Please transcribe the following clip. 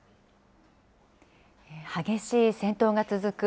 激しい戦闘が続く